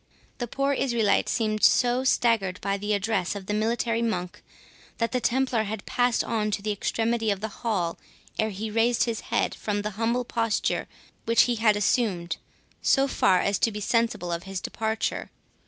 The poor Israelite seemed so staggered by the address of the military monk, that the Templar had passed on to the extremity of the hall ere he raised his head from the humble posture which he had assumed, so far as to be sensible of his departure.